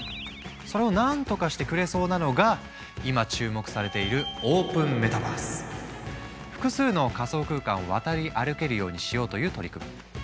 それを何とかしてくれそうなのが今注目されている複数の仮想空間を渡り歩けるようにしようという取り組み。